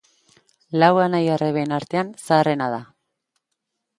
Lau anai-arreben artean zaharrena da